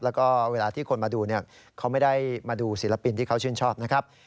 แล้วก็เวลาที่คนมาดูเขาไม่ได้มาดูศิลปินที่เขาชื่นชอบนะครับ